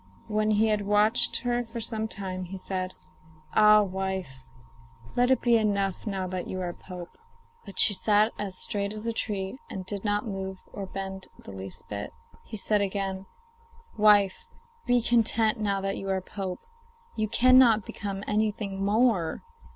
When he had watched her for some time he said: 'Ah, wife, let it be enough now that you are pope.' But she sat as straight as a tree, and did not move or bend the least bit. He said again: 'Wife, be content now that you are pope. You cannot become anything more.